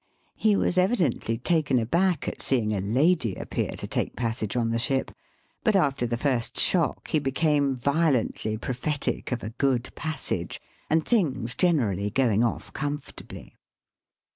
He was evidently taken aback at seeing a lady appear to take passage on the ship, but after the first shock he became violently prophetic of a good passage, and things generally going off com fortably.